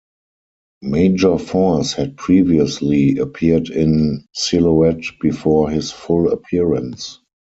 Major Force had previously appeared in silhouette before his full appearance.